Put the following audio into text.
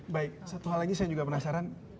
baik satu hal lagi saya juga penasaran